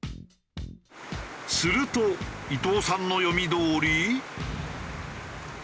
すると伊藤さんの読みどおり。